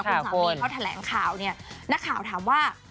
คุณสามีเขาแถลงข่าวเนี่ยนักข่าวถามว่า